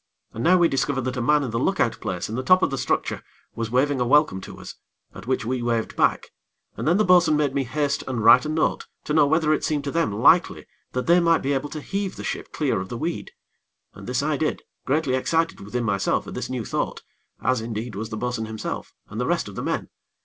And now we discovered that a man in the look out place in the top of the structure was waving a welcome to us, at which we waved back, and then the bo'sun bade me haste and write a note to know whether it seemed to them likely that they might be able to heave the ship clear of the weed, and this I did, greatly excited within myself at this new thought, as, indeed, was the bo'sun himself and the rest of the men.